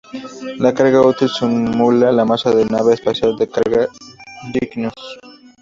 La carga útil simula la masa de la nave espacial de carga Cygnus.